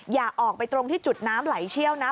อย่าออกไปตรงที่จุดน้ำไหลเชี่ยวนะ